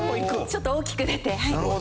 ちょっと大きく出て。